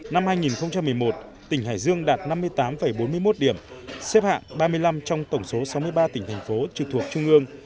năm hai nghìn một mươi một tỉnh hải dương đạt năm mươi tám bốn mươi một điểm xếp hạng ba mươi năm trong tổng số sáu mươi ba tỉnh thành phố trực thuộc trung ương